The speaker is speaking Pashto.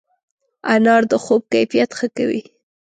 انار د خوب کیفیت ښه کوي.